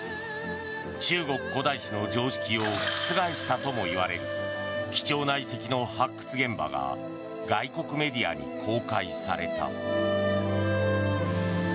中国古代史の常識を覆したともいわれる貴重な遺跡の発掘現場が外国メディアに公開された。